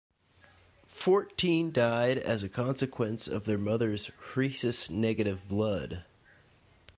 Fourteen died as a consequence of their mother's Rhesus negative blood.